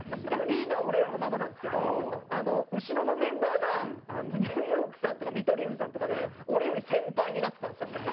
でもリーダーは俺らのままなんですけど後ろのメンバーがニューヨークさんとか見取り図さんとかで俺より先輩になってたんですよ。